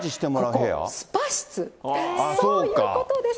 スパ室、そういうことです。